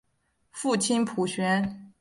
父亲浦璇。